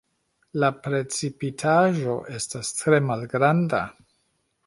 La precipitaĵo estas tre malgranda.